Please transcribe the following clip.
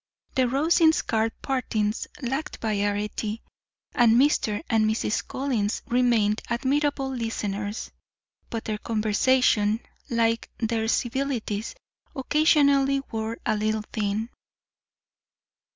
The Rosings' card parties lacked variety. Mr. and Mrs. Collins remained admirable listeners, but their conversation, like their civilities, occasionally wore a little thin.